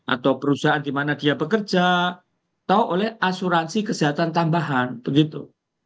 atau perusahaan di mana dia bekerja atau oleh asuransi kesehatan tambahan begitu